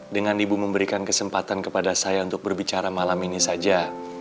dengan ibu memberikan kesempatan kepada saya untuk berbicara malam ini saja